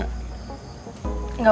gak usah gak apa apa